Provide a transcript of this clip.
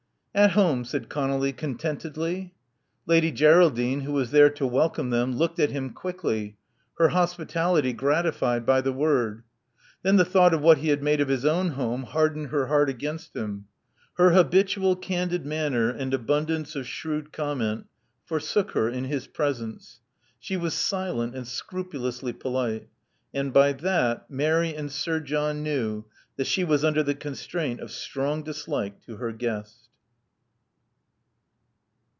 At home," said Conolly, contentedly. Lady Geraldine, who was there to welcome them, looked at him quickly, her hospitality gratified by the word. Then the thought of what he had made of his own home hardened her heart against him. Her habitual candid manner and abundance of shrewd comment forsook her in his presence. She was silent and scrupulously polite ; and by that Mary and Sir John knew that she was under the constraint of strong dislike to her guest.